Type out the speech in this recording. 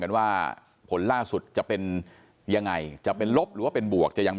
กันว่าผลล่าสุดจะเป็นยังไงจะเป็นลบหรือว่าเป็นบวกจะยัง